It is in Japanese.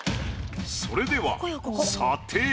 それでは査定。